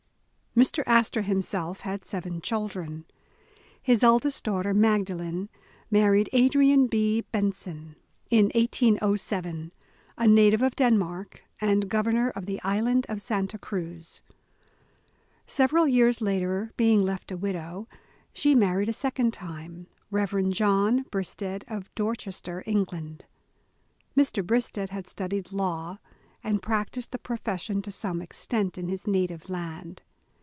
Mr. Astor himself had seven children. His eldest daughter, Magdalen, married Adrian B. Bentzen, in 248 The Astor Family 1807, a native of Denmark, and Governor of the Island of Santa Cniz. Several years later being left a widow, she married a second time, Rev. John Bristed of Dor chester, England. Mr. Bristed had studied law, and practiced the profession to some extent in his native land.